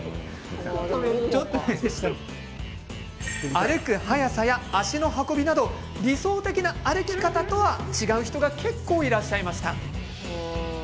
歩く速さや足の運びなど理想的な歩き方とは違う人が結構いらっしゃいました。